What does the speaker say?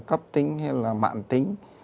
cấp tính hay là mạng tính